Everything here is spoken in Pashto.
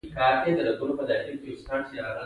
پکتیا جګ غرونه لري